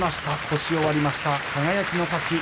腰を割りました、輝の勝ち。